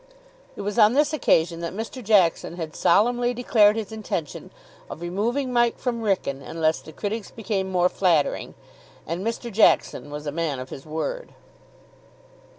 It was on this occasion that Mr. Jackson had solemnly declared his intention of removing Mike from Wrykyn unless the critics became more flattering; and Mr. Jackson was a man of his word.